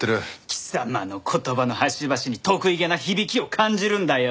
貴様の言葉の端々に得意げな響きを感じるんだよ。